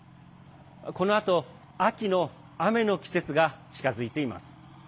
このあと秋の雨の季節が近づいています。